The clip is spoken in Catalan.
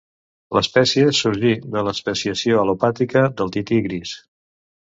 L'espècie sorgí de l'especiació al·lopàtrica del tití gris.